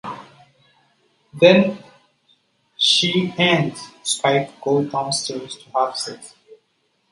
Then she and Spike go downstairs to have sex.